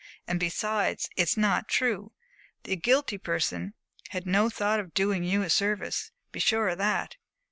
And besides, it's not true. The guilty person had no thought of doing you a service be sure of that.